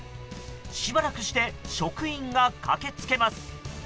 しばらくして職員が駆けつけます。